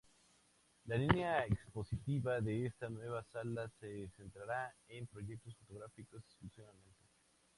La línea expositiva de esta nueva sala se centrará en proyectos fotográficos exclusivamente.